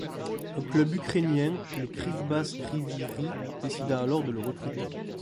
Un club ukrainien, le Kryvbass Kryvyï Rih, décida alors de le recruter.